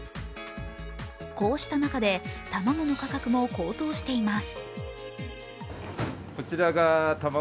こうした中で、卵の価格も高騰しています。